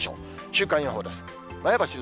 週間予報です。